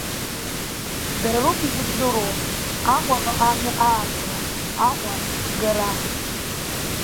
Дара роуп изыбзоуроу, Аҟәаҟа амҩа аартра, Аҟәа агара.